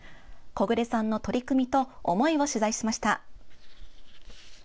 木榑さんの取り組みと思いを取材しました。